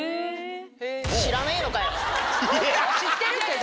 知ってるけど。